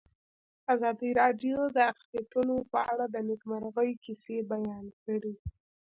ازادي راډیو د اقلیتونه په اړه د نېکمرغۍ کیسې بیان کړې.